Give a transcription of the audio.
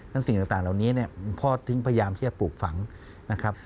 สิ่งต่างเหล่านี้เนี่ยพ่อทิ้งพยายามที่จะปลูกฝังนะครับ